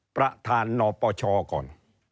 ประธานประชอก่อน